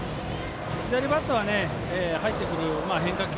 左バッターは入ってくる変化球